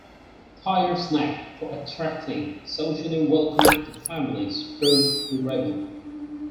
Thayer's knack for attracting socially-well-connected families proved durable.